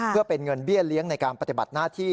เพื่อเป็นเงินเบี้ยเลี้ยงในการปฏิบัติหน้าที่